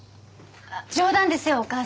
冗談ですよお母さん。